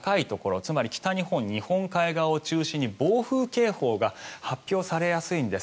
つまり北日本日本海側を中心に暴風警報が発表されやすいんです。